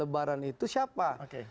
lebaran itu siapa